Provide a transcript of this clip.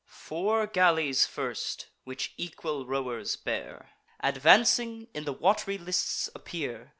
Four galleys first, which equal rowers bear, Advancing, in the wat'ry lists appear.